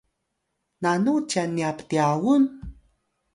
nanu cyan nya ptyawun?